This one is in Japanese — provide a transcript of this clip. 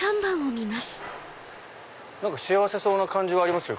何か幸せそうな感じはありますよ